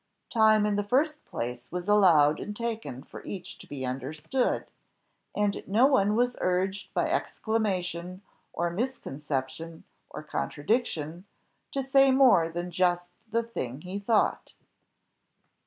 Time in the first place was allowed and taken for each to be understood, and no one was urged by exclamation, or misconception, or contradiction, to say more than just the thing he thought.